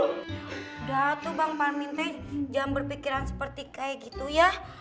udah tuh bang pan minta jangan berpikiran seperti kayak gitu ya